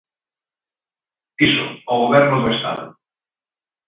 Iso, o Goberno do Estado.